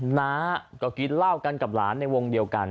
น้าก็กินเหล้ากันกับหลานในวงเดียวกัน